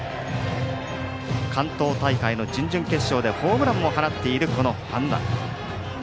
関東大会の準々決勝でホームランも放っている半田。